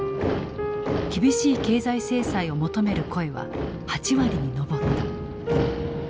厳しい経済制裁を求める声は８割に上った。